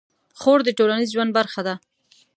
خور د ټولنیز ژوند برخه ده.